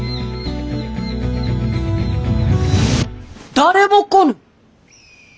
誰も来ぬ？